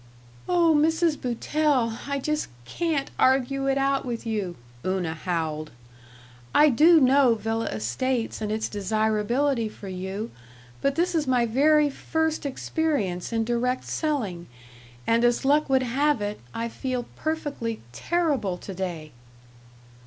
"Oh, Mrs. Boutell, I just can't argue it out with you," Una howled. "I do know Villa Estates and its desirability for you, but this is my very first experience in direct selling, and as luck would have it, I feel perfectly terrible to day."